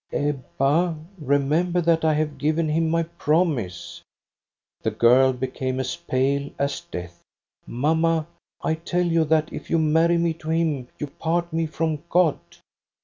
'"' Ebba, remember that I have given him my promise !'" The girl became as pale as death. "* Mamma, I tell you that if you marry me to him you part me from God.